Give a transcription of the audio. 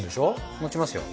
もちますよ。